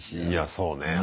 いやそうね。